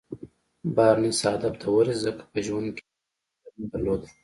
بارنس هدف ته ورسېد ځکه په ژوند کې يې بله هيله نه درلوده.